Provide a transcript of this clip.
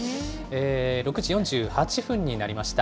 ６時４８分になりました。